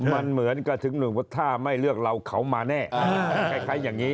มันเหมือนกับถึงหนึ่งว่าถ้าไม่เลือกเราเขามาแน่คล้ายอย่างนี้